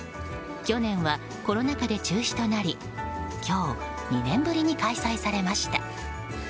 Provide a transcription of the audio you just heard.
去年は、コロナ禍で中止となり今日、２年ぶりに開催されました。